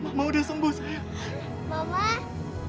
mama udah sembuh sayang